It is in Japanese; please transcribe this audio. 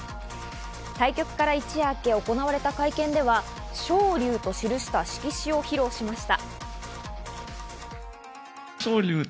対局から一夜明け、行われた会見では「昇龍」と記した色紙を披露しました。